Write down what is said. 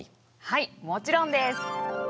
はいもちろんです！